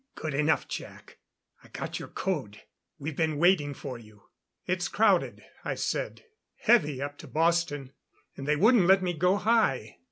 "Good enough, Jac. I got your code we've been waiting for you." "It's crowded," I said. "Heavy up to Boston. And they wouldn't let me go high."